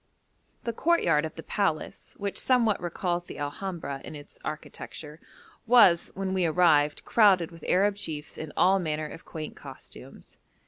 The courtyard of the palace, which somewhat recalls the Alhambra in its architecture, was, when we arrived, crowded with Arab chiefs in all manner of quaint costumes.